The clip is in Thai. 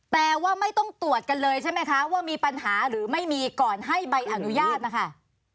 แต่ว่าไม่ต้องตรวจกันเลยใช่ไหมคะว่ามีปัญหาหรือไม่มีก่อนให้ใบอนุญาตนะคะ